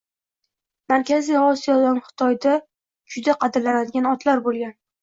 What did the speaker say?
Markaziy Osiyodan Xitoyda juda qadrlanadigan otlar bo'lgan.